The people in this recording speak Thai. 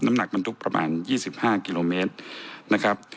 หนักบรรทุกประมาณ๒๕กิโลเมตรนะครับ